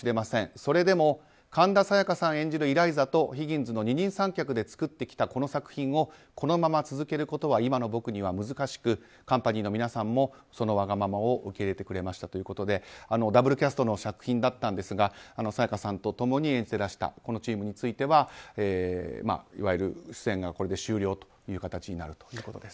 それでも神田沙也加さん演じるイライザとヒギンズの二人三脚で作ってきたこの作品をこのまま続けることは今の僕には難しく、カンパニーの皆さんもそのわがままを受け入れてくれましたということでダブルキャストの作品だったんですが沙也加さんと共に演じていらしたこのチームについてはいわゆる出演が終了という形になるということです。